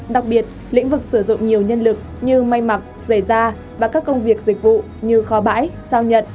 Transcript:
đặc biệt lĩnh vực sử dụng nhiều nhân lực như may mặc giày da và các công việc dịch vụ như kho bãi giao nhận